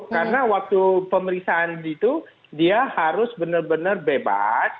karena waktu pemeriksaan itu dia harus benar benar bebas